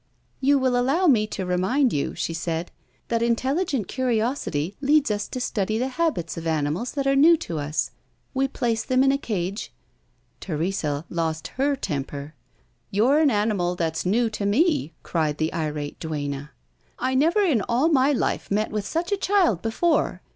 "You will allow me to remind you," she said, "that intelligent curiosity leads us to study the habits of animals that are new to us. We place them in a cage " Teresa lost her temper. "You're an animal that's new to me," cried the irate duenna. "I never in all my life met with such a child before.